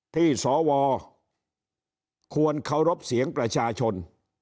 ที่สวควรเคารพเสียงประชาชน